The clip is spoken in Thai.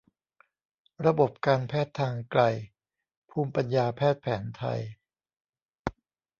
ระบบการแพทย์ทางไกล ภูมิปัญญาแพทย์แผนไทย